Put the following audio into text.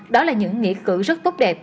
đó là những nghĩa cử rất tốt đẹp